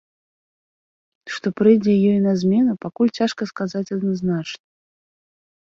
Што прыйдзе ёй на змену, пакуль цяжка сказаць адназначна.